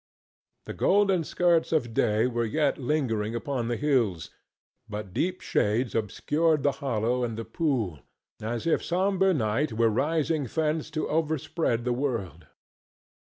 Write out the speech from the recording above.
The golden skirts of day were yet lingering upon the hills, but deep shades obscured the hollow and the pool, as if sombre night were rising thence to overspread the world.